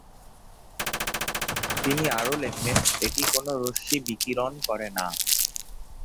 তিনি আরও লেখেন, এটি কোন রশ্মি বিকিরণ করে না।